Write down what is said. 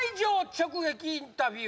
直撃インタビュー！